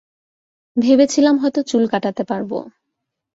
ভেবেছিলাম হয়তো চুল কাটাতে পারব।